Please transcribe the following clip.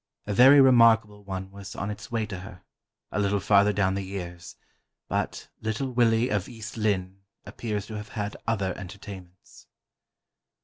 A very remarkable one was on its way to her, a little farther down the years, but "Little Willie of East Lynne" appears to have had other entertainments.